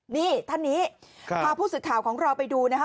นี่ท่านนี้พาผู้สื่อข่าวของเราไปดูนะคะ